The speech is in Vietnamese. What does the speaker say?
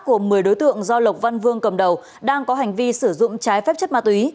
của một mươi đối tượng do lộc văn vương cầm đầu đang có hành vi sử dụng trái phép chất ma túy